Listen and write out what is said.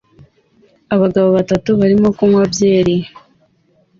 Abagabo batatu barimo kunywa byeri